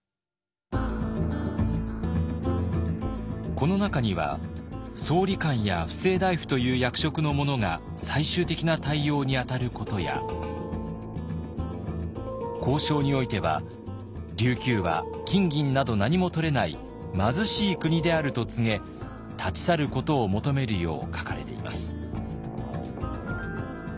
この中には総理官や布政大夫という役職の者が最終的な対応に当たることや交渉においては琉球は金銀などなにもとれない貧しい国であると告げ立ち去ることを求めるよう書かれています。